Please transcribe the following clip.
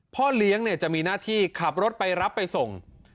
พ่อเลี้ยงจะมีหน้าที่ขับรถไปรับไปส่ง